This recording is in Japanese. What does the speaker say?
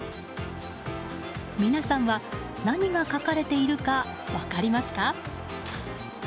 皆さんは、何が書かれているか分かりますか？